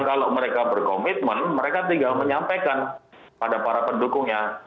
kalau mereka berkomitmen mereka tinggal menyampaikan pada para pendukungnya